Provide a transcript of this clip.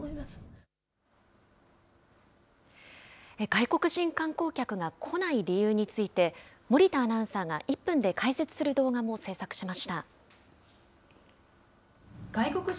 外国人観光客が来ない理由について、森田アナウンサーが１分で解説する動画も制作しました。